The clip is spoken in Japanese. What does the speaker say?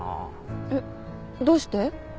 えっどうして？